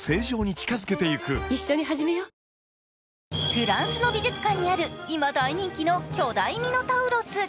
フランスの美術館にある今大人気の巨大ミノタウロス。